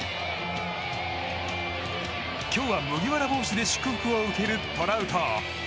今日は麦わら帽子で祝福を受けるトラウト。